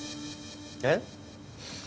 えっ？